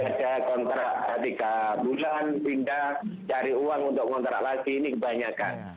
jadi ada kontrak tiga bulan pindah cari uang untuk kontrak lagi ini kebanyakan